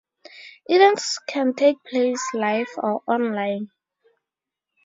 Events can take place live or online.